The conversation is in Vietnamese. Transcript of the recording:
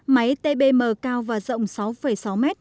máy tbm cao và rộng sáu sáu mét